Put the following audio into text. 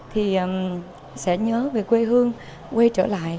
thì sẽ nhớ về quê hương quê trở lại